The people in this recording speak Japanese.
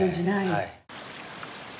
はい。